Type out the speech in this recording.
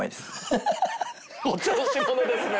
お調子者ですね。